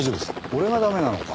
俺が駄目なのか？